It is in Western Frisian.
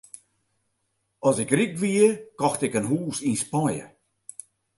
As ik ryk wie, kocht ik in hûs yn Spanje.